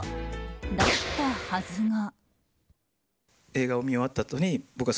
だったはずが。